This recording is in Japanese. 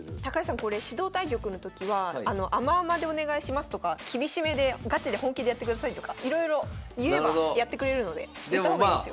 これ指導対局のときは甘々でお願いしますとか厳しめでガチで本気でやってくださいとかいろいろ言えばやってくれるので言った方がいいですよ。